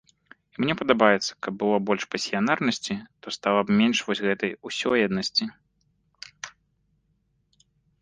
І мне падаецца, каб было больш пасіянарнасці, то стала б менш вось гэтай усёеднасці.